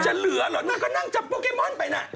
เหลือเหรอนางก็นั่งจับโปเกมอนไปน่ะ